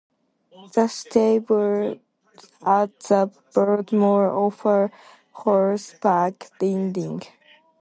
The Stables at the Broadmoor offer horseback riding.